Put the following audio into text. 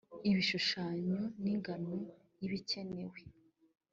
ibishushanyo n ingano y ibikenewe